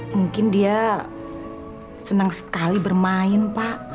mungkin dia senang sekali bermain pak